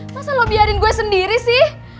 masa lo biarin gue sendiri sih